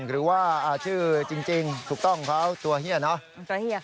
หรือว่าชื่อจริงถูกต้องเขาตัวเฮียเนอะ